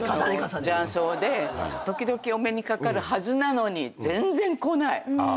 雀荘で時々お目にかかるはずなのに全然来ない。